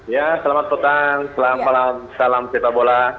ya selamat petang salam sepak bola